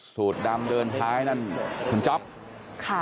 สูตรดำเดินท้ายนั่นคุณจ๊อปค่ะ